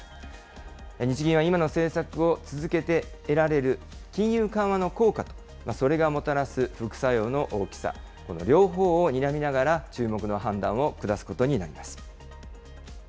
日銀は今の政策を続けて得られる金融緩和の効果と、それがもたらす副作用の大きさ、この両方をにらみながら注目の判断を下すことになります。